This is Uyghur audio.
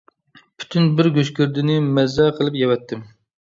پۈتۈن بىر گۆشگىردىنى مەززە قىلىپ يەۋەتتىم.